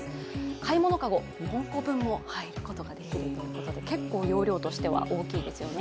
買い物籠、４個分も入るということで結構、容量としては大きいですよね。